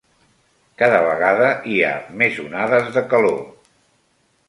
Cada vegada hi ha més onades de calor.